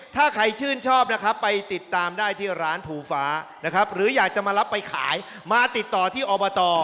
ถ้าใครชื่นชอบนะครับไปติดตามได้ที่ร้านภูฟ้านะครับหรืออยากจะมารับไปขายมาติดต่อที่อบต